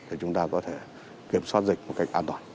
để chúng ta có thể kiểm soát dịch một cách an toàn